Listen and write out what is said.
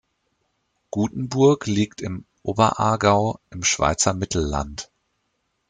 Gutenburg liegt im Oberaargau im Schweizer Mittelland.